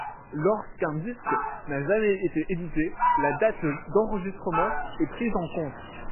Lorsqu'un disque n'a jamais été édité, la date d'enregistrement est prise en compte.